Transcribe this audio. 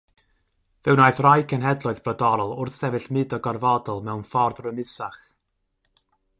Fe wnaeth rhai cenhedloedd brodorol wrthsefyll mudo gorfodol mewn ffordd rymusach.